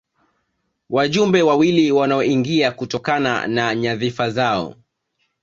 Wajumbe wawili wanaoingia kutokana na nyadhifa zao